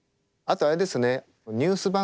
あとあれですねニュース